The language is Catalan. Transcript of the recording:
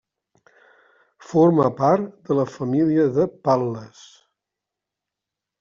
Forma part de la família de Pal·les.